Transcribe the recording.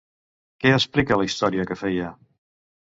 Què explica la història que feia?